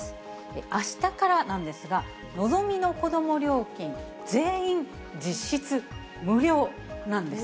あしたからなんですが、のぞみの子ども料金、全員実質無料なんです。